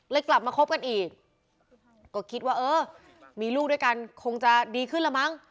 กลับมาคบกันอีกก็คิดว่าเออมีลูกด้วยกันคงจะดีขึ้นแล้วมั้ง